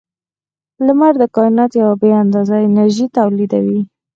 • لمر د کائنات یوه بې اندازې انرژي تولیدوي.